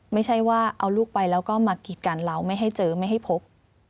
ไม่ใช่ว่าเอาลูกไปแล้วก็มากีดกันเราไม่ให้เจอไม่ให้พบ